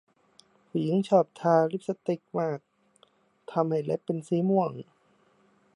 ผู้หญิงชอบทาลิปสติกมากทำเล็บเป็นสีม่วง